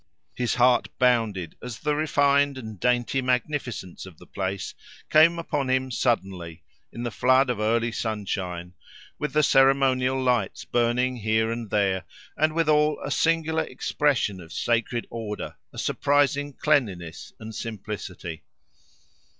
His heart bounded as the refined and dainty magnificence of the place came upon him suddenly, in the flood of early sunshine, with the ceremonial lights burning here and there, and withal a singular expression of sacred order, a surprising cleanliness and simplicity.